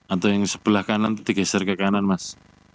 atau yang sebelah kanan itu digeser ke kanan mas